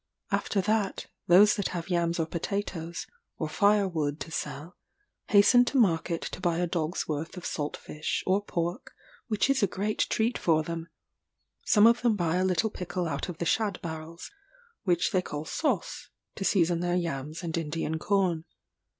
After that, those that have yams or potatoes, or fire wood to sell, hasten to market to buy a dog's worth of salt fish, or pork, which is a great treat for them. Some of them buy a little pickle out of the shad barrels, which they call sauce, to season their yams and Indian corn.